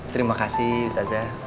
terima kasih ustazah